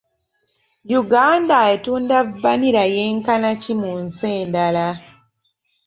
Uganda etunda vanilla yenkana ki mu nsi endala?